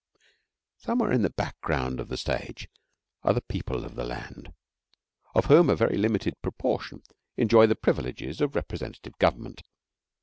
Somewhere in the background of the stage are the people of the land of whom a very limited proportion enjoy the privileges of representative government.